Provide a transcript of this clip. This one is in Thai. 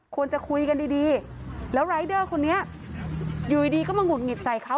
ควรจะคุยกันดีแล้วรายเดอร์คนนี้อยู่ดีก็มาหุดหงิดใส่เขา